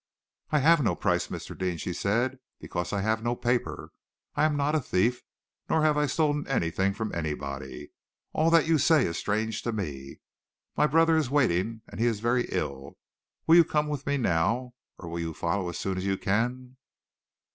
"I have no price, Mr. Deane," she said, "because I have no paper. I am not a thief, nor have I stolen anything from anybody. All that you say is strange to me. My brother is waiting, and he is very ill. Will you come with me now, or will you follow as soon as you can?"